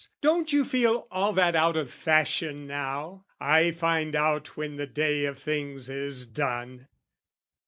"'Don't you feel all that out of fashion now? "'I find out when the day of things is done!'